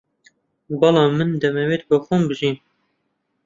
بەڵام من دەمەوێت بۆ خۆم بژیم